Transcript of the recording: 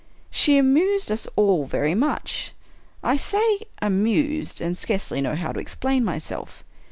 She amused us all very much. I say " amused "— and scarcely know how to explain myself.